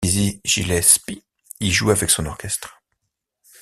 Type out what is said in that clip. Dizzy Gillespie y joue avec son orchestre.